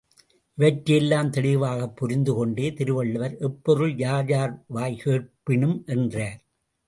இவற்றையெல்லாம் தெளிவாகப் புரிந்து கொண்டே திருவள்ளுவர் எப்பொருள் யார் யார் வாய்க் கேட்பினும் என்றார்.